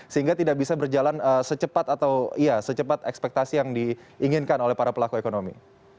sehingga tidak bisa berjalan secepat ekspektasi yang diinginkan oleh para pelaku ekonomi